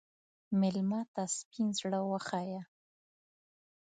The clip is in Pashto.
مېلمه ته سپین زړه وښیه.